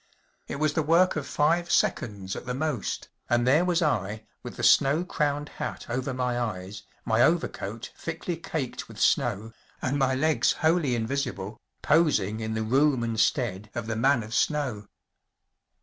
It was the work of five seconds at the most, and there was I, with the snow crowned hat over my eyes, my overcoat thickly caked with snow and my legs wholly jnvisible, posing in the room and stead of the man of snow.